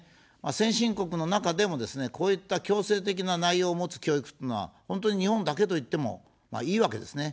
先進国の中でもですね、こういった強制的な内容を持つ教育というのは本当に日本だけといってもいいわけですね。